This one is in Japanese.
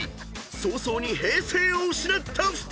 ［早々に平静を失った２人］